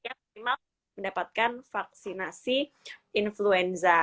yang minimal mendapatkan vaksinasi influenza